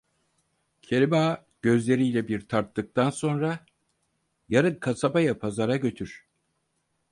Kerim Ağa, gözleriyle bir tarttıktan sonra: "Yarın kasabaya pazara götür."